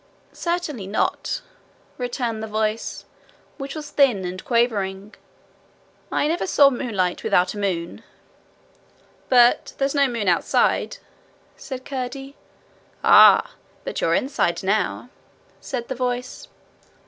'Certainly not,' returned the voice, which was thin and quavering: 'I never saw moonlight without a moon.' 'But there's no moon outside,' said Curdie. 'Ah! but you're inside now,' said the voice.